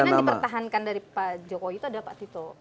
yang kemungkinan dipertahankan dari pak jokowi itu ada pak tito